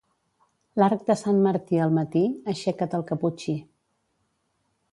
L'arc de sant Martí al matí, aixeca't el caputxí.